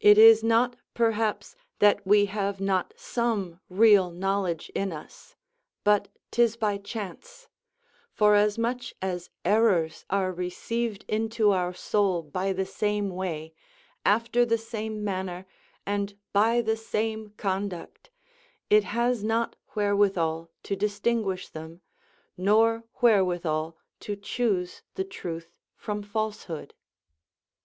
It is not, perhaps, that we have not some real knowledge in us; but 'tis by chance; forasmuch as errors are received into our soul by the same way, after the same manner, and by the same conduct, it has not wherewithal to distinguish them, nor wherewithal to choose the truth from falsehood.